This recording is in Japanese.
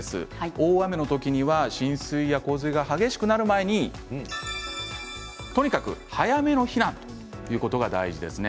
大雨の時には浸水や洪水が激しくなる前にとにかく早めの避難が大事です。